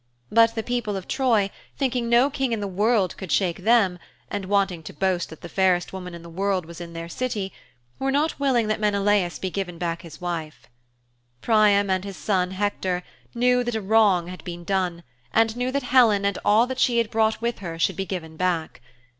But the people of Troy, thinking no King in the world could shake them, and wanting to boast that the fairest woman in the world was in their city, were not willing that Menelaus be given back his wife. Priam and his son, Hector, knew that a wrong had been done, and knew that Helen and all that she had brought with her should be given back.